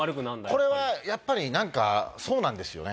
これはやっぱり何かそうなんですよね。